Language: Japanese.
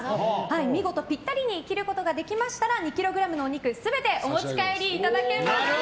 見事ピッタリに切ることができましたら２ｋｇのお肉全てお持ち帰りいただけます。